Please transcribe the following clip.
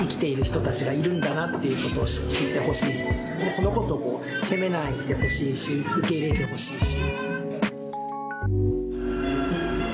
そのことを責めないでほしいし受け入れてほしいし。